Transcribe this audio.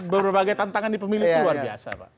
berbagai tantangan di pemilik luar biasa pak